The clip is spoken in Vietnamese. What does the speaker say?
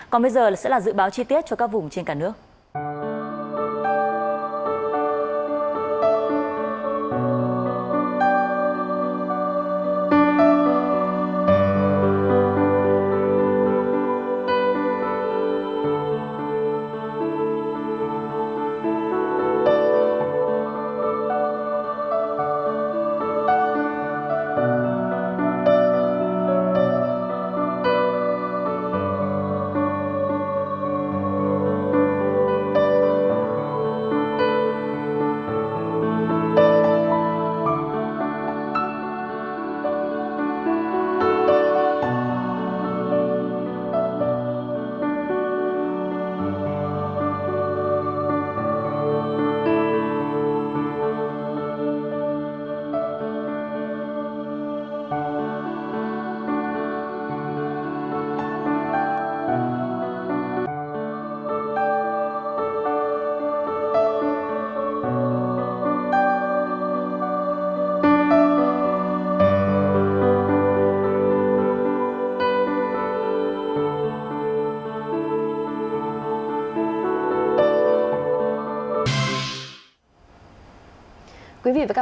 còn bây giờ sẽ là dự báo chi tiết cho các vùng trên cả nước